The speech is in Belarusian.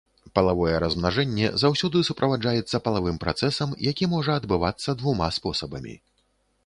Палавое размнажэнне заўсёды суправаджаецца палавым працэсам, які можа адбывацца двума спосабамі.